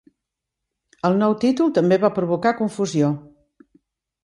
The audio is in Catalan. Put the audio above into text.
El nou títol també va provocar confusió.